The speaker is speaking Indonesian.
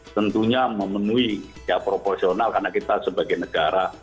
tentunya memenuhi ya proporsional karena kita sebagai negara